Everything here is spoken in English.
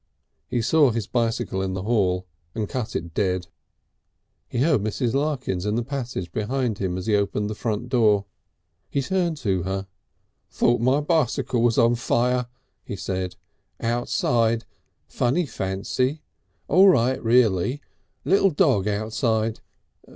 He saw his bicycle in the hall and cut it dead. He heard Mrs. Larkins in the passage behind him as he opened the front door. He turned to her. "Thought my bicycle was on fire," he said. "Outside. Funny fancy! All right, reely. Little dog outside....